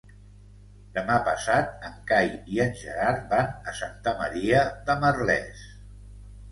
Demà passat en Cai i en Gerard van a Santa Maria de Merlès.